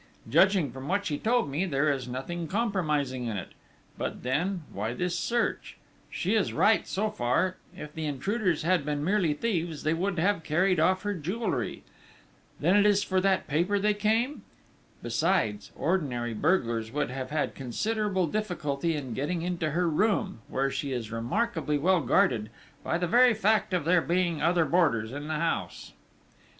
Judging from what she told me, there is nothing compromising in it. But then, why this search?... She is right so far: if the intruders had been merely thieves, they would have carried off her jewellery!... Then it is for that paper they came? Besides, ordinary burglars would have had considerable difficulty in getting into her room, where she is remarkably well guarded, by the very fact of there being other boarders in the house....